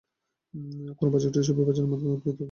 কোন ভাজক টিস্যুর বিভাজনের মাধ্যমে উদ্ভিদ দৈর্ঘ্যে বৃদ্ধি পায়?